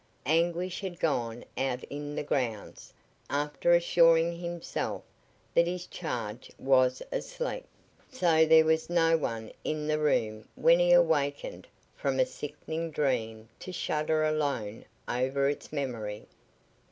Anguish had gone out in the grounds after assuring himself that his charge was asleep, so there was no one in the room when he awakened from a sickening dream to shudder alone over its memory.